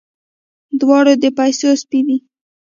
دواړه د پيسو سپي دي.